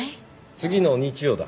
次の日曜だ。